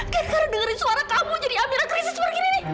gara gara dengar suara kamu jadi amira krisis seperti ini